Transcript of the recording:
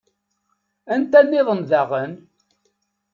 Anta nniḍen daɣen?